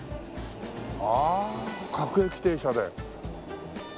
ああ各駅停車で。